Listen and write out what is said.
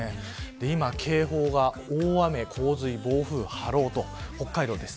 今、警報が大雨、洪水、暴風波浪と北海道です。